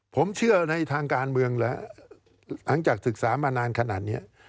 ผมเชื่อในทางการเมืองแล้วหลังจากศึกษามานานขนาดนี้